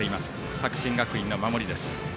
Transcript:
作新学院の守りです。